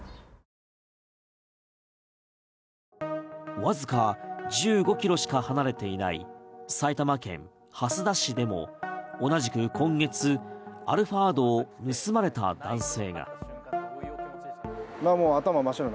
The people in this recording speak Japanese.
わずか１５ｋｍしか離れていない埼玉県蓮田市でも同じく今月アルファードを盗まれた男性が。